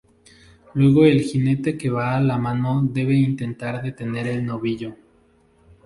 Luego el jinete que va a la mano debe intentar detener el novillo.